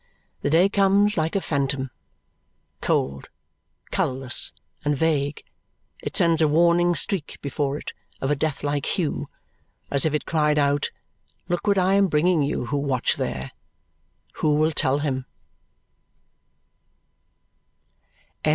The day comes like a phantom. Cold, colourless, and vague, it sends a warning streak before it of a deathlike hue, as if it cried out, "Look what I am bringing you who watch there! Who will tell him!"